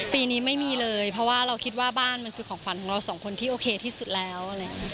ปีนี้ไม่มีเลยเพราะว่าเราคิดว่าบ้านมันคือของขวัญของเราสองคนที่โอเคที่สุดแล้วอะไรอย่างนี้